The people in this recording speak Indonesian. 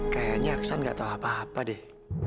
kayaknya aksan gak tau apa apa deh